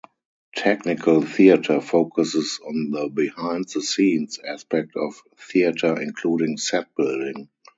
Technical theatre focuses on the "behind-the-scenes" aspect of theatre including set building.